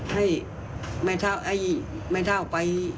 ให้ไม่เท้า